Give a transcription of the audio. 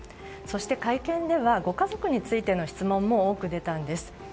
そして会見ではご家族についての質問も多く出たんです。